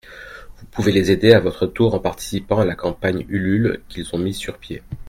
Vous pouvez les aider à votre tour en participant à la campagne Ulule qu’ils ont mis sur pied.